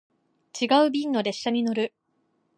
違う便の列車に乗る